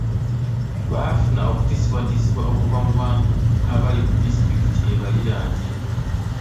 Baafuna okutiisibwatiisibwa okuva mu bantu abali mu disitulikiti ebaliraanye.